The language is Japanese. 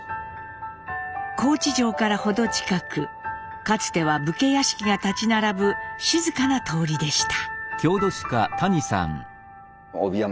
高知城から程近くかつては武家屋敷が建ち並ぶ静かな通りでした。